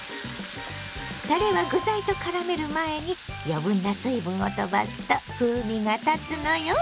たれは具材とからめる前に余分な水分を飛ばすと風味がたつのよ。